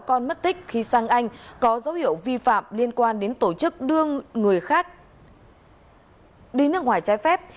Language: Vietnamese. con mất tích khi sang anh có dấu hiệu vi phạm liên quan đến tổ chức đưa người khác đi nước ngoài trái phép